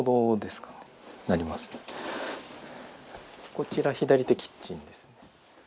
こちら左手、キッチンです。